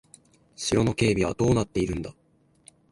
城の警備はどうなっているんだ。